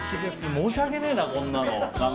申し訳ねえな、こんなの。